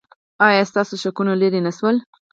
ایا ستاسو شکونه لرې نه شول؟